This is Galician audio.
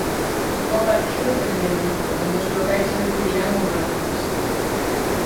Bo partido en Verdillo, onde os locais recibirán o Volantes.